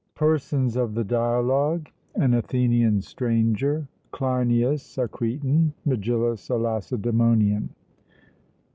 PERSONS OF THE DIALOGUE: An Athenian Stranger, Cleinias (a Cretan), Megillus (a Lacedaemonian).